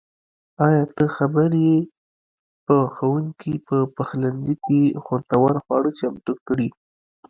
ایا ته خبر یې؟ پخونکي په پخلنځي کې خوندور خواړه چمتو کړي.